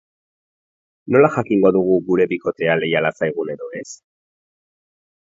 Nola jakingo dugu gure bikotea leiala zaigun edo ez?